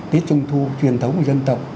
tiết trung thu truyền thống của dân tộc